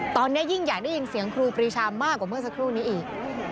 ตอนนี้ยิ่งอยากได้ยินเสียงครูปรีชามากกว่าเมื่อสักครู่นี้อีก